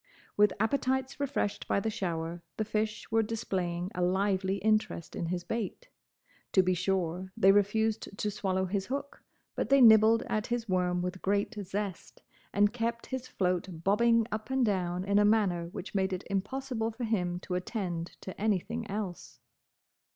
With appetites refreshed by the shower, the fish were displaying a lively interest in his bait. To be sure, they refused to swallow his hook; but they nibbled at his worm with great zest, and kept his float bobbing up and down in a manner which made it impossible for him to attend to anything else.